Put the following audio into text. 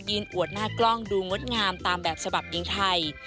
อวดหน้ากล้องดูงดงามตามแบบฉบับหญิงไทย